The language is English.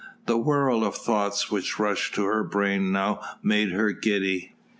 The whirl of thoughts which rushed to her brain now made her giddy.